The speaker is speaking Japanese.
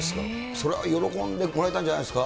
それは喜んでもらえたんじゃないですか。